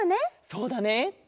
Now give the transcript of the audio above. そうだね。